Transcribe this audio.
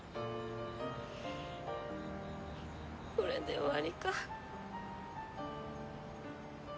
これで終わりか。